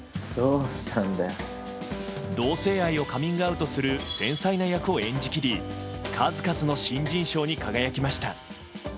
同性愛をカミングアウトする繊細な役を演じ切り数々の新人賞に輝きました。